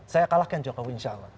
saya kalahkan jokowi insya allah